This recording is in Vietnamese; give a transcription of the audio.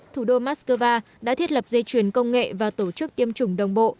thủ đô mắc cơ va đã thiết lập dây chuyển công nghệ và tổ chức tiêm chủng đồng bộ